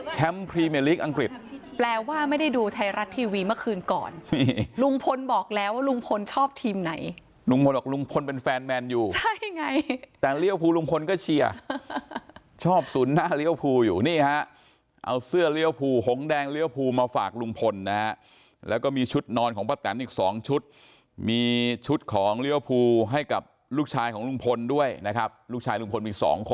แชมป์พรีเมอร์ลิกอังกฤษแปลว่าไม่ได้ดูไทยรัฐทีวีเมื่อคืนก่อนลุงพลบอกแล้วว่าลุงพลชอบทีมไหนลุงพลบอกลุงพลเป็นแฟนแมนอยู่ใช่ไงแต่เลี้ยวภูลุงพลก็เชียร์ชอบสุดหน้าเลี้ยวภูอยู่นี่ฮะเอาเสื้อเลี้ยวภูหงแดงเลี้ยวภูมาฝากลุงพลนะฮะแล้วก็มีชุดนอนของป้าแตนอีกสองชุดม